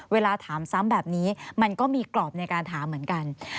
เวลาถามซ้ำแบบนี้มันก็มีกรอบในการถามเหมือนกัน